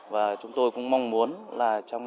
và chúng tôi cũng mong muốn là trong